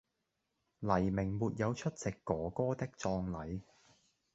黎明沒有出席“哥哥”的葬禮